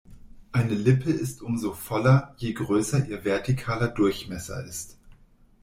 Eine Lippe ist umso voller, je größer ihr vertikaler Durchmesser ist.